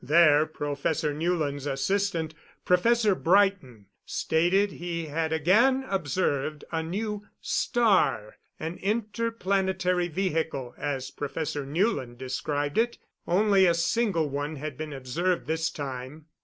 There Professor Newland's assistant, Professor Brighton, stated he had again observed a new "star" an interplanetary vehicle, as Professor Newland described it. Only a single one had been observed this time.